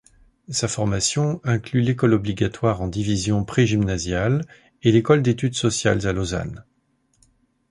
Sa formation inclut l'école obligatoire en division prégymnasiale et l'école d'études sociales à Lausanne.